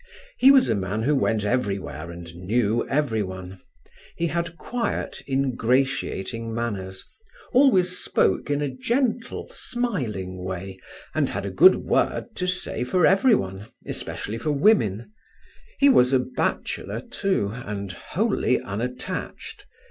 He was a man who went everywhere and knew everyone. He had quiet, ingratiating manners, always spoke in a gentle smiling way and had a good word to say for everyone, especially for women; he was a bachelor, too, and wholly unattached.